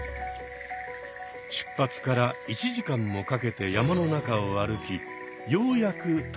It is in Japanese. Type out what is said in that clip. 出発から１時間もかけて山の中を歩きようやく到着した。